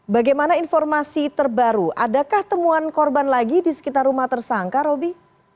bagaimana informasi terbaru adakah temuan korban lagi di sekitar rumah tersangka roby